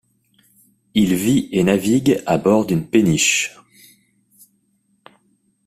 Il vit et navigue à bord d'une péniche.